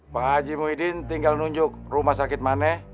pak haji muhyiddin tinggal nunjuk rumah sakit mana